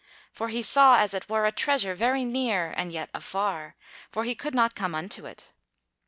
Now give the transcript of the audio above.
For he saw, as it were, a treasure very near and yet afar, for he could not come unto it.